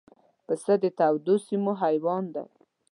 پسه د تودو سیمو حیوان دی.